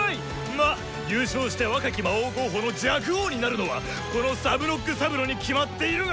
ま優勝して若き魔王候補の若王になるのはこのサブノック・サブロに決まっているが。